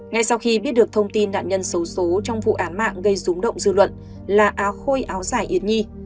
ngay sau khi biết được thông tin nạn nhân xấu xố trong vụ án mạng gây rúng động dư luận là áo khôi áo giải yến nhi